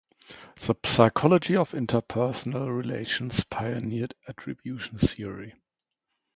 "The Psychology of Interpersonal Relations" pioneered attribution theory.